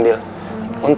terima kasih pak